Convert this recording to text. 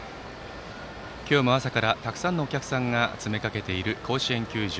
今日も朝からたくさんのお客さんが詰め掛けている甲子園球場。